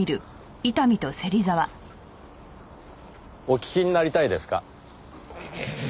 お聞きになりたいですか？